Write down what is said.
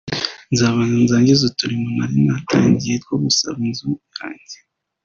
nzabanza ndangize uturimo nari natangiye two gusana inzu yanjye